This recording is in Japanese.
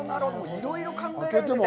いろいろ考えられてて。